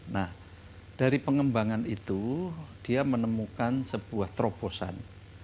nah dari pengembangan itu dia menemukan sebuah terobosan